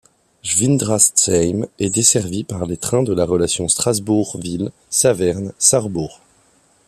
Scwindratzheim est desservie par les trains de la relation Strasbourg-Ville – Saverne – Sarrebourg.